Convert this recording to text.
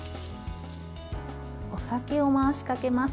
お酒を回しかけます。